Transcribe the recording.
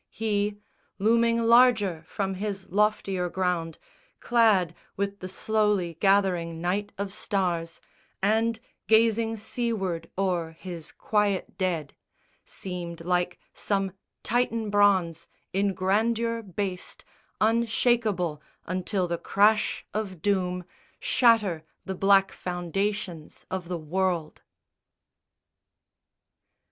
He, looming larger from his loftier ground Clad with the slowly gathering night of stars And gazing seaward o'er his quiet dead, Seemed like some Titan bronze in grandeur based Unshakeable until the crash of doom Shatter the black foundations of the world.